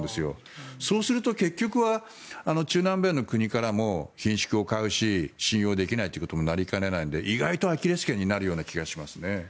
そうすると、結局は中南米の国からもひんしゅくを買うし信用されないということになりかねないので意外とアキレス腱になるような気がしますね。